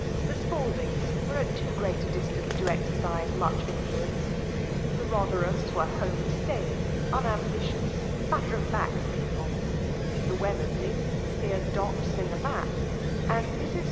The Spaldings jqrer^. i^tit t^Q^eat a distance to cxerpise muchinfluencjQ^ tlj^ JRotherhams were home staying^ unambi . tious^ matter of fact people ; the WeuomcrsUjs. mere .dots, in the map; and Mrs..